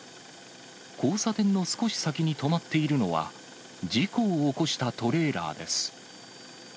交差点の少し先に止まっているのは、事故を起こしたトレーラーです。